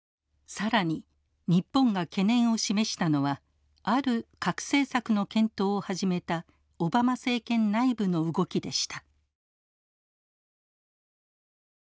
更に日本が懸念を示したのはある核政策の検討を始めたオバマ政権内部の動きでした。